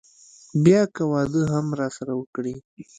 بيا که واده هم راسره وکړي.